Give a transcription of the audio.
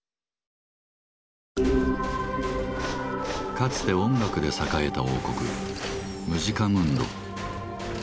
かつて音楽で栄えた王国「ムジカムンド」。